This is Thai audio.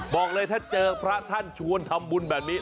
บอกเลยถ้าเจอพระท่านชวนทำบุญแบบนี้